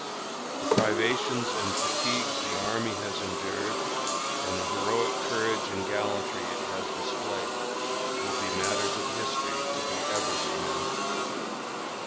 The privations and fatigues the army has endured, and the heroic courage and gallantry it has displayed, will be matters of history to be ever remembered.